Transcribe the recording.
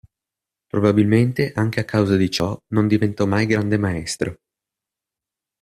Probabilmente anche a causa di ciò, non diventò mai Grande maestro.